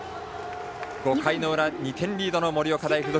５回の裏２点リードの盛岡大付属。